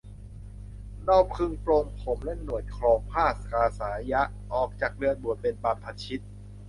เราพึงปลงผมและหนวดครองผ้ากาสายะ ออกจากเรือนบวชเป็นบรรพชิต